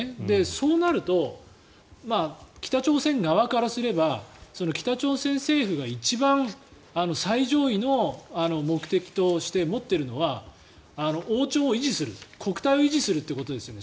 そうなると、北朝鮮側からすれば北朝鮮政府が一番最上位の目的として持っているのは王朝を維持する、国体を維持するということですよね。